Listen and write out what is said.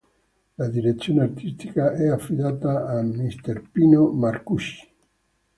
La direzione artistica è affidata al M.° Pino Marcucci.